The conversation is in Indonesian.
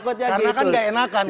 karena kan nggak enakan kan